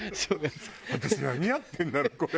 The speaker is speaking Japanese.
「私何やってんだろう？これ」。